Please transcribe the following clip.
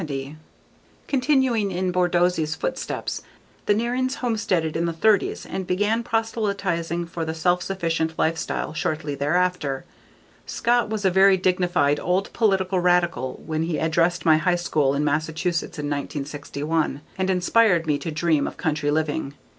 Continuing in Borsodi's footsteps, the Nearings homesteaded in the thirties and began proselytizing for the self sufficient life style shortly thereafter. Scott was a very dignified old political radical when he addressed my high school in Massachusetts in 1961 and inspired me to dream of country living.